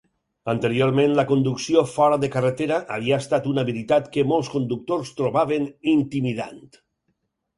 Anteriorment, la conducció fora de carretera havia estat una habilitat que molts conductors trobaven intimidant.